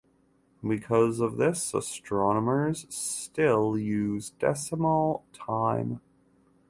Because of this, astronomers still use decimal time.